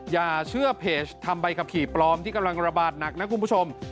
อย่าเชื่อเพจทำใบขับขี่ปลอมที่กำลังระบาดหนักนะคุณผู้ชม